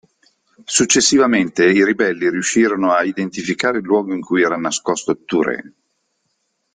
Successivamente i ribelli riuscirono a identificare il luogo in cui era nascosto Touré.